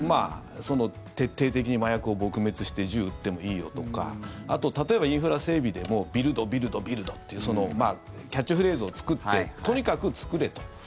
徹底的に麻薬を撲滅して銃、撃ってもいいよとかあと、例えばインフラ整備でも「ビルド・ビルド・ビルド」っていうキャッチフレーズを作ってとにかく作れと。